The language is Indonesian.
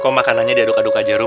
kok makanannya diaduk aduk aja rom